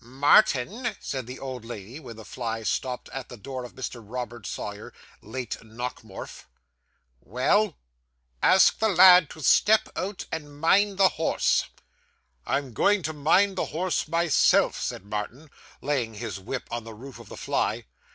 'Martin!' said the old lady, when the fly stopped at the door of Mr. Robert Sawyer, late Nockemorf. 'Well?' said Martin. 'Ask the lad to step out, and mind the horse.' 'I'm going to mind the horse myself,' said Martin, laying his whip on the roof of the fly.